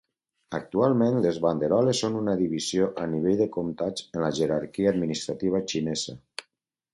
Actualment, les banderoles són una divisió a nivell de comtats en la jerarquia administrativa xinesa.